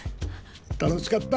楽しかった。